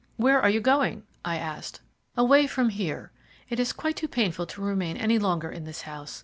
"Where are you going?" I asked. "Away from here. It is quite too painful to remain any longer in this house.